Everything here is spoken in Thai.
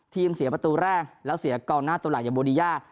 เสียประตูแรกแล้วเสียกองหน้าตัวหลักอย่างโบดีย่า